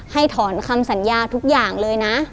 ถอนคำสัญญาทุกอย่างเลยนะ